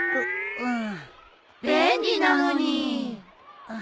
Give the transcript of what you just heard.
うん？